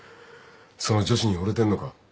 その女子にほれてんのか。